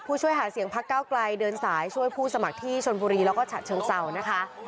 ช่วยหาเสียงพักเก้าไกลเดินสายช่วยผู้สมัครที่ชนบุรีแล้วก็ฉะเชิงเศร้านะคะ